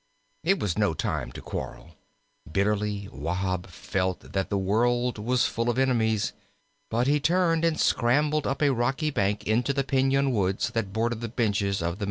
It was no time to quarrel. Bitterly Wahb felt that the world was full of enemies. But he turned and scrambled up a rocky bank into the piñon woods that border the benches of the Meteetsee.